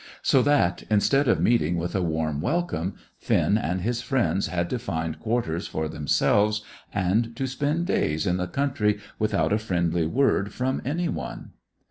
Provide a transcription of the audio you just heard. So that, instead of meeting with a warm welcome, Finn and his friends had to find quarters for themselves, and to spend days in the country without a friendly word from any one.